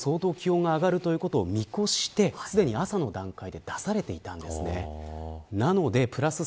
おそらく昨日は相当気温が上がるということを見越してすでに朝の段階で出されていたんです。